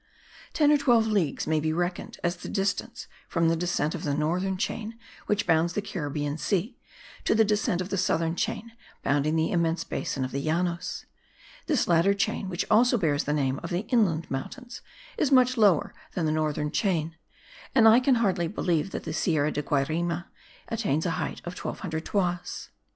Ten or twelve leagues may be reckoned as the distance from the descent of the northern chain which bounds the Caribbean Sea, to the descent of the southern chain bounding the immense basin of the Llanos. This latter chain, which also bears the name of the Inland Mountains, is much lower than the northern chain; and I can hardly believe that the Sierra de Guayraima attains the height of 1200 toises.